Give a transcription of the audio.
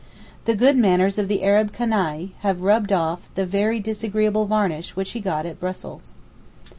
The good manners of the Arab canaille, have rubbed off the very disagreeable varnish which he got at Brussels.